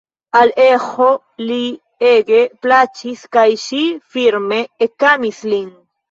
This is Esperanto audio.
Al Eĥo li ege plaĉis kaj ŝi firme ekamis lin.